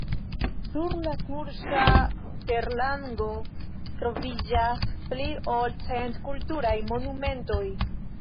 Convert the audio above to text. Sur la kurŝa terlango troviĝas pli ol cent kulturaj monumentoj.